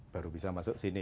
baru bisa masuk sini